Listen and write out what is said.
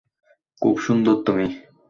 খুব সুন্দর তুমি।